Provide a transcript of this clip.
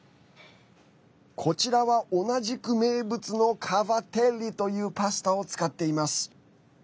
こちらは同じく名物のカヴァテッリというパスタを使っています。